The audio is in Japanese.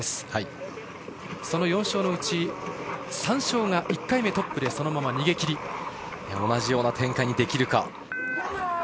その４勝のうち３勝が１回目トップで同じような展開にできるか。